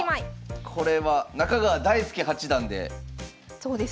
これは中川大輔八段で。